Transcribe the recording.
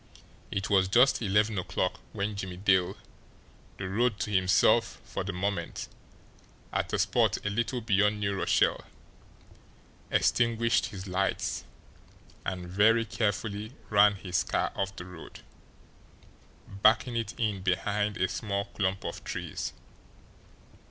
It was just eleven o'clock when Jimmie Dale, the road to himself for the moment at a spot a little beyond New Rochelle, extinguished his lights, and very carefully ran his car off the road, backing it in behind a small clump of trees.